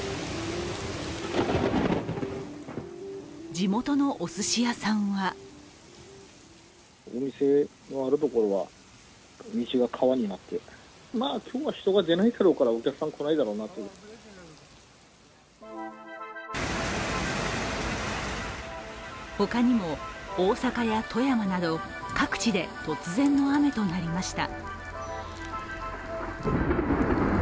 地元のおすし屋さんは他にも大阪や富山など、各地で突然の雨となりました。